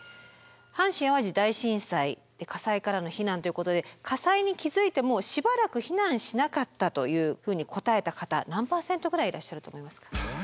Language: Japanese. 阪神・淡路大震災火災からの避難ということで「火災に気づいてもしばらく避難しなかった」というふうに答えた方何％ぐらいいらっしゃると思いますか？